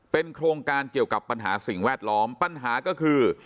โครงการเกี่ยวกับปัญหาสิ่งแวดล้อมปัญหาก็คือ